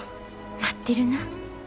待ってるな。